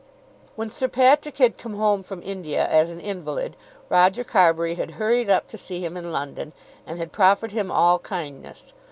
When Sir Patrick had come home from India as an invalid, Roger Carbury had hurried up to see him in London, and had proffered him all kindness.